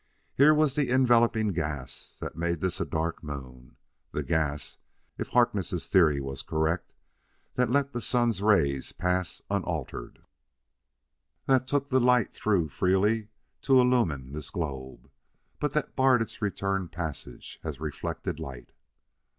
Here was the enveloping gas that made this a dark moon the gas, if Harkness' theory was correct, that let the sun's rays pass unaltered; that took the light through freely to illumine this globe, but that barred its return passage as reflected light.